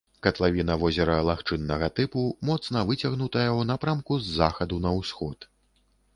Катлавіна возера лагчыннага тыпу, моцна выцягнутая ў напрамку з захаду на ўсход.